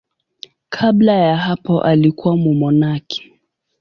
Kabla ya hapo alikuwa mmonaki.